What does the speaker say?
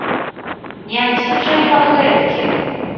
Не адзін жа ён гэткі!